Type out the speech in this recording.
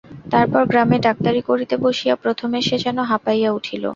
তারপর গ্রামে ডাক্তারি করিতে বসিয়া প্রথমে সে যেন হাঁপাইয়া উঠিল।